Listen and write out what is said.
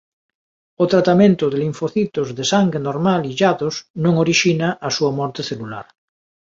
O tratamento de linfocitos de sangue normal illados non orixina a súa morte celular.